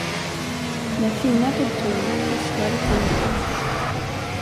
När Tina tog ton tystnade teamet.